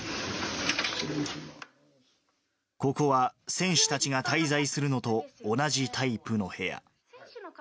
ここは選手たちが滞在するのと同じタイプの部屋。